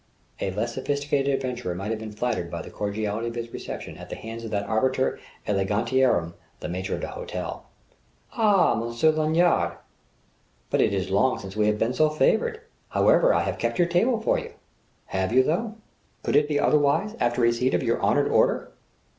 A less sophisticated adventurer might have been flattered by the cordiality of his reception at the hands of that arbiter elegantiarum the maitre d'hôtel. "Ah h, Monsieur Lanya_rrr_! But it is long since we have been so favoured. However, I have kept your table for you." "Have you, though?" "Could it be otherwise, after receipt of your honoured order?"